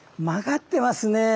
曲がってますね。